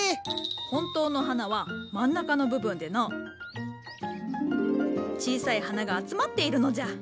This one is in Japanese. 本当の花は真ん中の部分でのう小さい花が集まっているのじゃ。